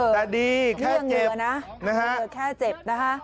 แต่ดีแค่เจ็บนะฮะ